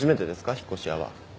引っ越し屋は。